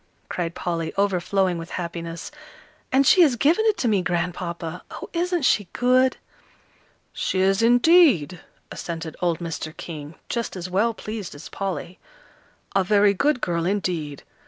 cried Polly, overflowing with happiness; "and she has given it to me, Grandpapa. Oh, isn't she good!" "She is, indeed," assented old Mr. King, just as well pleased as Polly. "A very good girl, indeed.